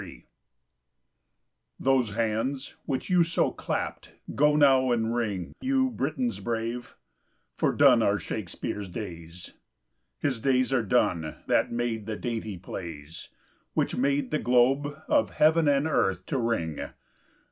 _ŌĆØ Those hands, which you so clapt, go now, and wring You BritainŌĆÖs brave; for done are ShakespeareŌĆÖs days: His days are done, that made the dainty Plays, Which make the Globe of heavŌĆÖn and earth to ring.